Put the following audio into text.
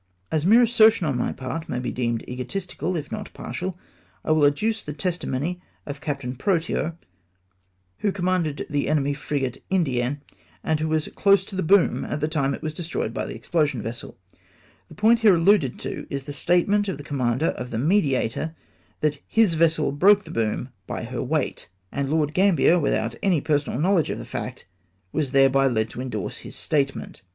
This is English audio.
As mere assertion on my part may be deemed egotistical, if not partial, I will adduce the testimony of Captain Protean, who commanded the enemy's frigate Indienne, and was close to the boom at the time it was destroyed by the explosion vessel The point here alluded to is the statement of the commander of the Mediator, that his VESSEL BROKE THE BOOM BY HEE WEIGHT !! and Lord Gambler, without any personal knowledge of the fact, was thereby led to endorse his statement.